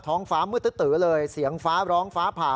ท้องฟ้ามืดตื้อเลยเสียงฟ้าร้องฟ้าผ่า